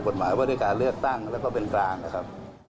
บทหมายวิธีการเลวกตั้งแล้วก็เป็นกลางนะครับ